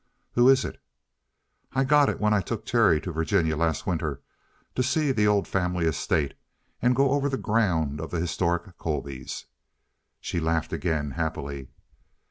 "Who is it?" "I got it when I took Terry to Virginia last winter to see the old family estate and go over the ground of the historic Colbys." She laughed again happily.